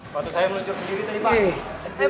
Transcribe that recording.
waktu saya meluncur sendiri tadi pak